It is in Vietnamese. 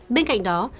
bên cạnh đó